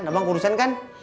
abang kurusan kan